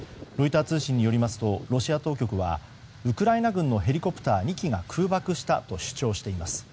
ロイター通信によりますとロシア当局はウクライナ軍のヘリコプター２機が空爆したと主張しています。